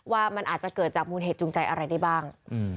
ว่ามันอาจจะเกิดจากมูลเหตุจูงใจอะไรได้บ้าง